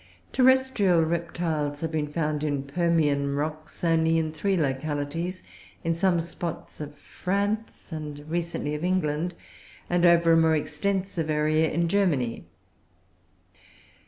Terrestrial reptiles have been found in Permian rocks only in three localities; in some spots of France, and recently of England, and over a more extensive area in Germany.